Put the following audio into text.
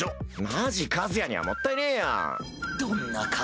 マジ和也にはもったいねぇよ。